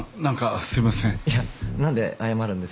いや何で謝るんです？